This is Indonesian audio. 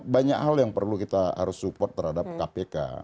banyak hal yang perlu kita harus support terhadap kpk